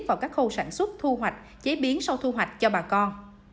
vào các khâu sản xuất thu hoạch chế biến sau thu hoạch cho bà con